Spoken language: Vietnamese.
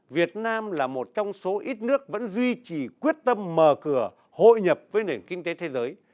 việt nam là một trong số ít nước vẫn duy trì quyết tâm mở cửa hội nhập với nền kinh tế thế giới